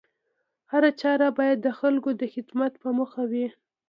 هره چاره بايد د خلکو د خدمت په موخه وي